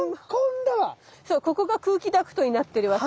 そうここが空気ダクトになってるわけ。